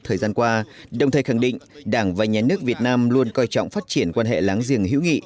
thời gian qua đồng thời khẳng định đảng và nhà nước việt nam luôn coi trọng phát triển quan hệ láng giềng hữu nghị